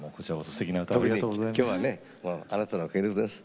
特に今日はねあなたのおかげでございます。